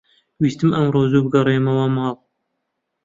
ویستم ئەمڕۆ زوو بگەڕێمەوە ماڵ.